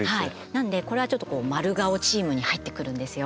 なのでこれはまるがおチームに入ってくるんですよ。